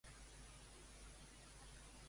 Què exigeix, a la fi, Hammond?